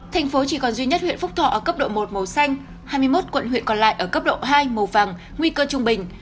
thành phố chỉ còn duy nhất huyện phúc thọ ở cấp độ một màu xanh hai mươi một quận huyện còn lại ở cấp độ hai màu vàng nguy cơ trung bình